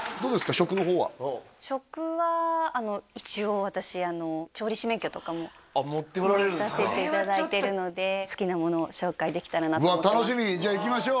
食の方は食は一応持っておられるんですか持たせていただいてるので好きなものを紹介できたらなとうわ楽しみじゃあいきましょう